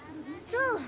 そう。